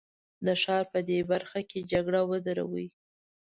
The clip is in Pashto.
د ښار په دې برخه کې جګړه ودروي.